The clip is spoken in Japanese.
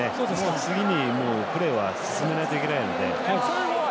次にもうプレーは進めないといけないので。